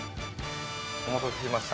お待たせしました。